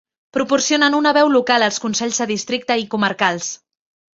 Proporcionen una veu local als consells de districte i comarcals.